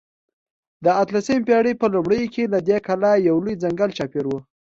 د اتلسمې پېړۍ په لومړیو کې له دې کلا یو لوی ځنګل چاپېر و.